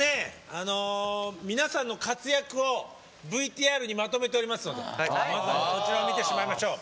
あの皆さんの活躍をＶＴＲにまとめておりますのでまずはそちらを見てしまいましょう。